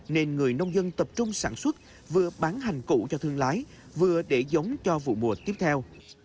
nên người nông dân tập trung sản xuất vừa bán hành củ cho thương lái vừa để giống cho vụ mùa tiếp theo